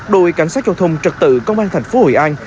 đội cảnh sát giao thông trật tự công an thành phố hội an